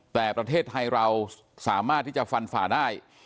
แต่ประเทศไทยเราสามารถที่จะฟันฝ่าได้